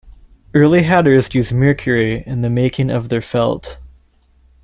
Early hatters used mercury in the making of their felt.